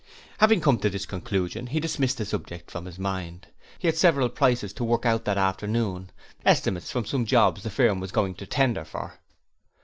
Having come to this conclusion, he dismissed the subject from his mind: he had several prices to work out that afternoon estimates from some jobs the firm was going to tender for.